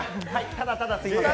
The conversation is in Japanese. ただただすみません。